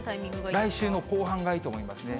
来週の後半がいいと思いますね。